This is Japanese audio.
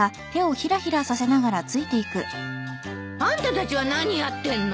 あんたたちは何やってんの？